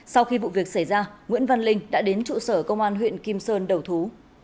sau khi vụ việc xảy ra nguyễn văn linh đã đến trụ sở công an huyện kim sơn đầu thú